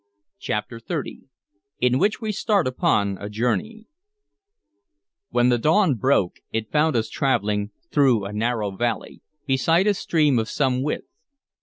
CHAPTER XXX IN WHICH WE START UPON A JOURNEY WHEN the dawn broke, it found us traveling through a narrow valley, beside a stream of some width.